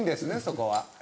そこは。